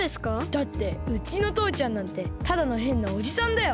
だってうちのとうちゃんなんてただのへんなおじさんだよ。